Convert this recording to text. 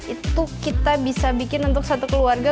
itu kita bisa bikin untuk satu keluarga